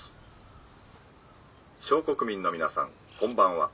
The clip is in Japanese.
「少国民の皆さんこんばんは。